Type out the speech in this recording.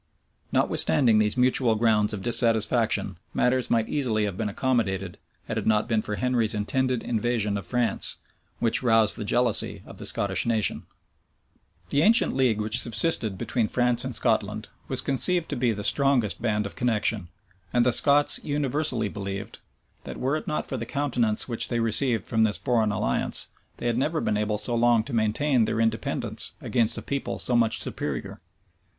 Notwithstanding these mutual grounds of dissatisfaction, matters might easily have been accommodated, had it not been for Henry's intended invasion of France, which roused the jealousy of the Scottish nation.[] * Polyd. Virg. lib. xxvii. Stowe, p. 489. Holingshed, p. 811. Buchanan, lib. xii. Drummond in the Life of James IV. The ancient league which subsisted between France and Scotland was conceived to be the strongest band of connection; and the Scots universally believed, that were it not for the countenance which they received from this foreign alliance, they had never been able so long to maintain their independence against a people so much superior.